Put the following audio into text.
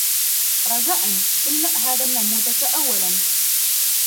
رجاءً ، املأ هذا النموذج أولًا.